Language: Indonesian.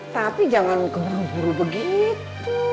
tapi jangan keburu buru begitu